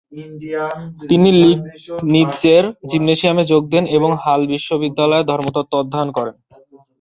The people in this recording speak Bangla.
তিনি লিগনিৎজের জিমন্যাসিয়ামে যোগ দেন এবং হাল বিশ্ববিদ্যালয়ে ধর্মতত্ত্ব অধ্যয়ন করেন।